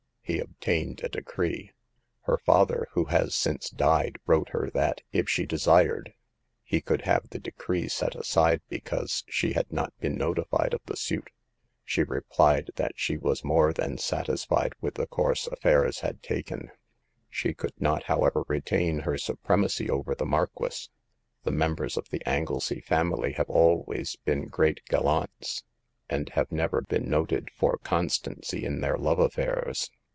He obtained a decree. Her father, who has since died, wrote her 184 SAVE THE GIRLS. that if she desired he could have the decree set aside because she had not been notified of the suit. She replied that she was more than satis fied with the course affairs has taken. She could not, however, retain her supremacy over the Marquis. The members of the Anglesey family have always been great gallants, and have never been noted for constancy in their love affairs.